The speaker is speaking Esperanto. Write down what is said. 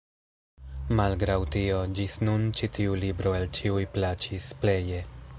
Malgraŭ tio, ĝis nun ĉi tiu libro el ĉiuj plaĉis pleje.